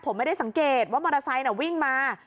ผมไม่ได้สังเกตว่ามอเตอร์ไซค์วิ่งมา